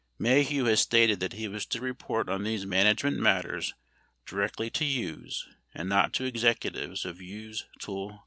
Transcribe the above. Maheu has stated that he was to report on these management matters directly to Hughes and not to executives of Hughes Tool Co.